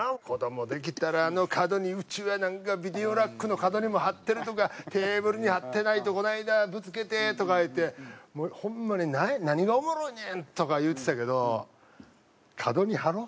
子どもできたらあの角に「うちはなんかビデオラックの角にも貼ってる」とか「テーブルに貼ってないとこの間ぶつけて」とか言うて「ホンマに何がおもろいねん！」とか言うてたけど。